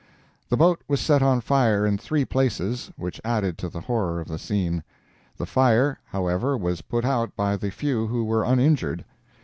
The boat was set on fire in three places, which added to the horror of the scene. The fire, however, was put out by the few who were uninjured.